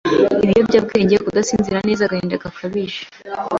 ibiyobyabwenge, kudasinzira neza, agahinda gakabije